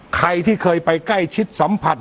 ใครที่เคยไปใกล้ชิดสัมผัส